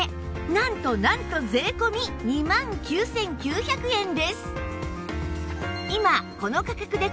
なんとなんと税込２万９９００円です！